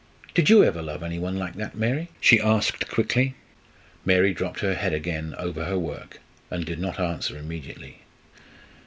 "Did you ever love any one like that, Mary?" she asked quickly. Mary dropped her head again over her work and did not answer immediately.